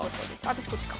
私こっちか。